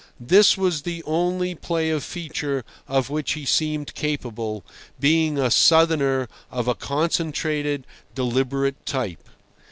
This was the only play of feature of which he seemed capable, being a Southerner of a concentrated, deliberate type.